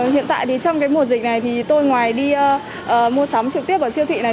hiện tại trong mùa dịch này tôi ngoài đi mua sắm trực tiếp ở siêu thị này